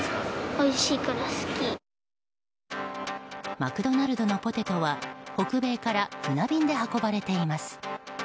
マクドナルドのポテトは北米から船便で運ばれています。